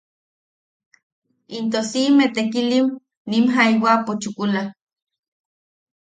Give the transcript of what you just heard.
Into siʼime tekilim nim jaiwapo chukula.